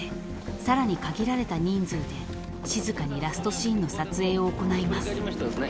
さらに限られた人数で静かにラストシーンの撮影を行います］